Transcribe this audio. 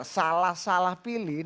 salah salah pilih nanti tiba tiba jatuh